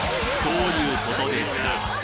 どういうことですか？